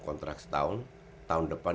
kontrak setahun tahun depan